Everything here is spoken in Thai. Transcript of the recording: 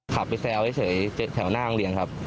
ขับไปแซวเฉยแถวหน้าโรงเรียนครับ